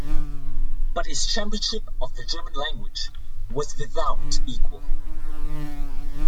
But his championship of the German language was without equal.